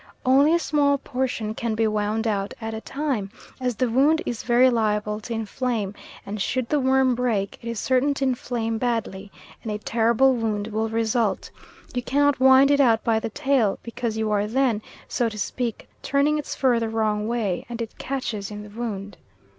Only a small portion can be wound out at a time, as the wound is very liable to inflame, and should the worm break, it is certain to inflame badly, and a terrible wound will result. You cannot wind it out by the tail because you are then, so to speak, turning its fur the wrong way, and it catches in the wound.